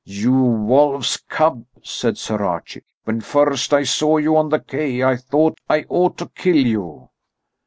"You wolf's cub!" said Sir Archie. "When first I saw you on the quay I thought I ought to kill you."